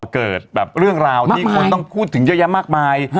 เกิดแบบเรื่องราวที่คนต้องพูดถึงเยอะแยะมากมาย